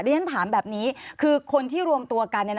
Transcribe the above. ที่ฉันถามแบบนี้คือคนที่รวมตัวกัน